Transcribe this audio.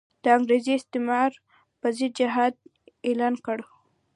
د انګریزي استعمار پر ضد جهاد اعلان کړ.